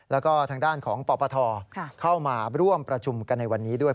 แล้วก็ทางด้านของปปทเข้ามาร่วมประชุมกันในวันนี้ด้วย